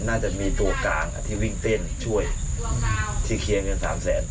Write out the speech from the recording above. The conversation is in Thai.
น่าจะมีตัวกลางที่วิ่งเต้นช่วยแต่เกียร์เงิน๓๐๐๐๐๐บาท